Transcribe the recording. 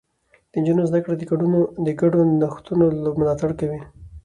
د نجونو زده کړه د ګډو نوښتونو ملاتړ کوي.